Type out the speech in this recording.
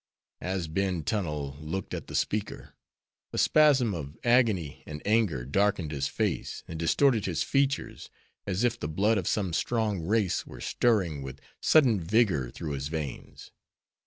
As Ben Tunnel looked at the speaker, a spasm of agony and anger darkened his face and distorted his features, as if the blood of some strong race were stirring with sudden vigor through his veins.